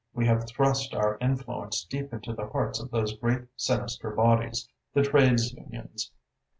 We have thrust our influence deep into the hearts of those great, sinister bodies, the trades unions.